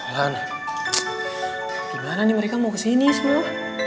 gimana nih mereka mau kesini semua